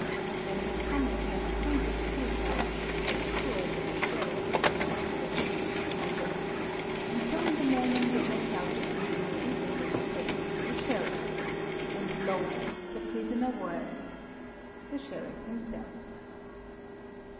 When he promised them a hundred ducats they felt sure that the Sheriff would reward them with two hundred, so in the morning they let out the prisoner in order to take him to the Sheriff, and lo! the prisoner was the Sheriff himself.